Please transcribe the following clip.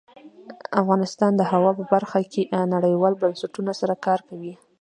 افغانستان د هوا په برخه کې نړیوالو بنسټونو سره کار کوي.